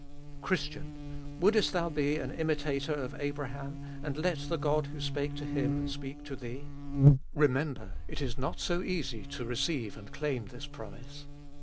Christian ! wouldest thou be an imitator of Abraham, and let the God who spake to him speak to thee ? Remember it is not so easy to receive and claim this promise.